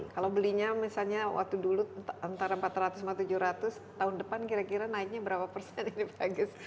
kalau belinya misalnya waktu dulu antara empat ratus tujuh ratus tahun depan kira kira naiknya berapa persen ini pak agus